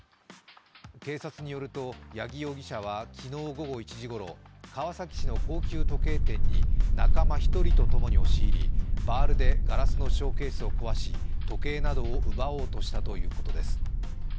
警察によると八木容疑者は昨日午後１時ごろ、川崎市の高級時計店に仲間１とともに押し入り、バールでガラスのショーケースを壊し、時計などを奪おうとしたということです。